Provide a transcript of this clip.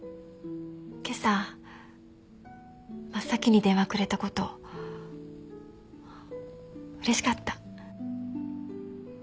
今朝真っ先に電話くれたことうれしかった。